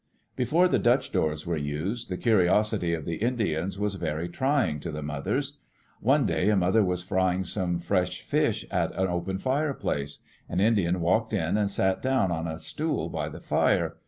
Before the Dutch doors were used, the curiosity of the Indians was very trying to the mothers. One day a mother was frying some fresh fish at the open fireplace. An Indian walked in and sat down on a stool by the fire.